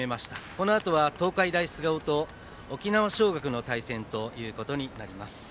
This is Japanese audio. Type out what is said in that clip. このあとは東海大菅生と沖縄尚学の対戦となります。